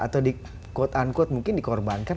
atau di quote unquote mungkin dikorbankan